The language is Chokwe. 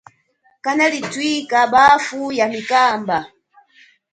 Kanali thwika bafu ya mikamba.